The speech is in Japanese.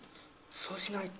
そうしないと？